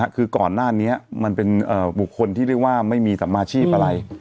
คือก่อนหน้านี้มันเป็นบุคคลที่เรียกว่าไม่มีสัมมาชีพอะไร